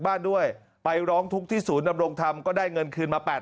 ด้วยไปร้องทุกข์ที่ศูนย์ดำรงธรรมก็ได้เงินคืนมา๘๐๐